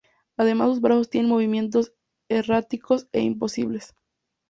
Además sus brazos tienen movimientos erráticos e imposibles.